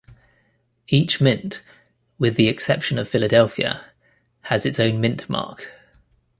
Each mint, with the exception of Philadelphia, has its own mint mark.